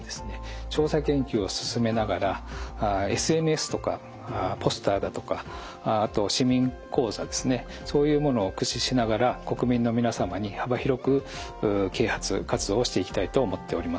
調査研究を進めながらＳＮＳとかポスターだとかあと市民講座ですねそういうものを駆使しながら国民の皆様に幅広く啓発活動をしていきたいと思っております。